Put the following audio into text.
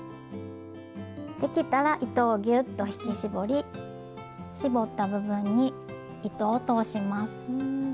できたら糸をギューッと引き絞り絞った部分に糸を通します。